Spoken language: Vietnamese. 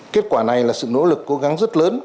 kết quả này là sự nỗ lực cố gắng rất lớn